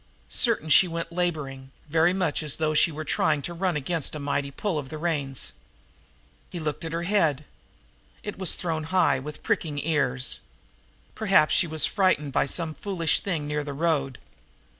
Certain she went laboring, very much as though she were trying to run against a mighty pull on the reins. He looked at her head. It was thrown high, with pricking ears. Perhaps she was frightened by some foolish thing near the road.